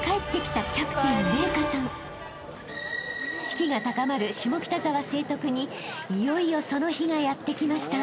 ［士気が高まる下北沢成徳にいよいよその日がやって来ました］